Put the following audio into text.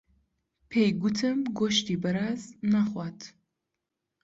پێی گوتم گۆشتی بەراز ناخوات.